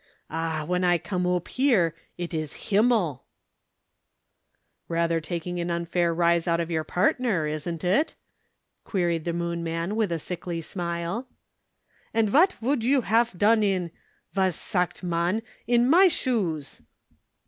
Ah, when I come oop here, it is Himmel." "Rather taking an unfair rise out of your partner, isn't it?" queried the Moon man with a sickly smile. "And vat vould you haf done in was sagt man in my shoes?"